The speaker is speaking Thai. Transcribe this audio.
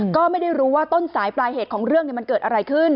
ก็ไม่ได้รู้ว่าต้นสายปลายเหตุของเรื่องมันเกิดอะไรขึ้น